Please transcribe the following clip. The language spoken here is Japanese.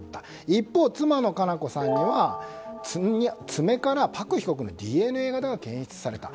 一方、妻の佳菜子さんには爪からパク被告のＤＮＡ型が検出された。